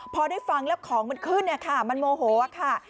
พอได้ฟังแล้วของมันขึ้นเนี่ยค่ะมันโมโหค่ะ